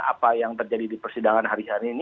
apa yang terjadi di persidangan hari hari ini